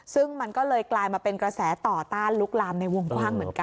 ซึ่งมันก็เลยกลายมาเป็นกระแสต่อต้านลุกลามในวงกว้างเหมือนกัน